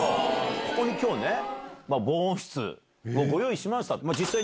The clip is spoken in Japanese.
ここにきょうね、防音室ご用意しました。